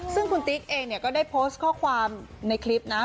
ซึ่งคุณติ๊กเองเนี่ยก็ได้โพสต์ข้อความในคลิปนะ